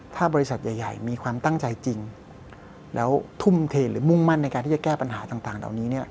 ถ้าบริษัทใหญ่มีความตั้งใจจริงแล้วทุ่มเทหรือมุ่งมั่นในการที่จะแก้ปัญหาต่างเหล่านี้เนี่ย